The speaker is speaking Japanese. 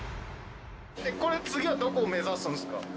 これ次はどこを目指すんすか？